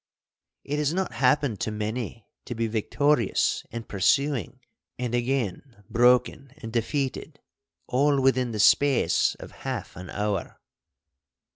It has not happened to many to be victorious and pursuing, and again broken and defeated, all within the space of half an hour.